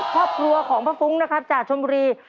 พ่อครัวของพระฟุ้งนะครับจ่าชมรี